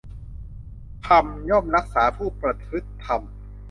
ธรรมย่อมรักษาผู้ประพฤติธรรม